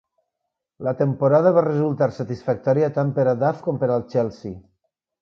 La temporada va resultar satisfactòria tant per a Duff com per al Chelsea.